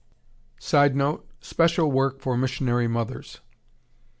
[Sidenote: Special work for missionary mothers.